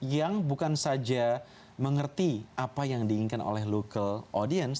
yang bukan saja mengerti apa yang diinginkan oleh local audience